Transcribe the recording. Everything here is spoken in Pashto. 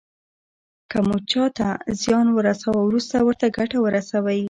که مو چاته زیان ورساوه وروسته ورته ګټه ورسوئ.